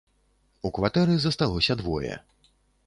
У кватэры засталося двое.